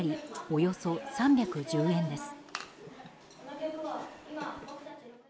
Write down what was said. およそ３１０円です。